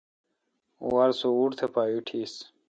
او وار سو ووٹ تھ پا ایٹیس۔